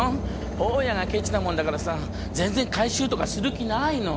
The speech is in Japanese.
大家がケチなもんだからさ全然改修とかする気ないの。